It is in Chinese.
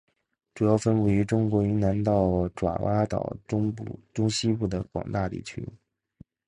主要分布于中国云南到爪哇岛中西部的广大地区。